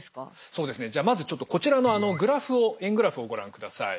そうですねじゃあまずちょっとこちらのグラフを円グラフをご覧ください。